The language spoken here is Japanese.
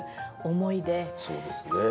そうですね。